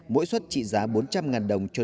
mỗi xuất trị giá bốn trăm linh đồng cho